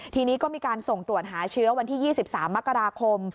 ทีนี้ก็มีการส่งตรวจหาเชื้อวันที่๒๓มกราคม